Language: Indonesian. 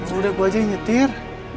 udah gue aja yang nyetir